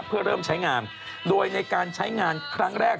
เพื่อเริ่มใช้งานโดยในการใช้งานครั้งแรก